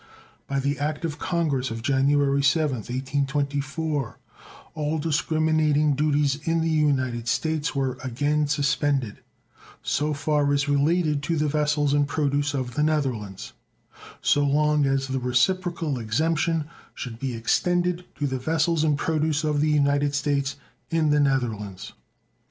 By the act of Congress of January 7th, 1824, all discriminating duties in the United States were again suspended, so far as related to the vessels and produce of the Netherlands, so long as the reciprocal exemption should be extended to the vessels and produce of the United States in the Netherlands.